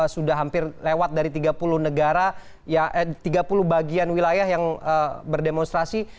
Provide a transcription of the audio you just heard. sudah hampir lewat dari tiga puluh bagian wilayah yang berdemonstrasi